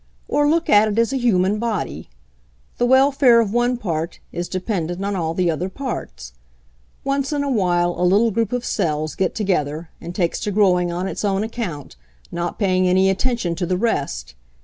"Or look at it as a human body. The welfare of one part is dependent on all the other parts. Once in a while a little group of cells get to gether and takes to growing on its own account, not paying any attention to the rest.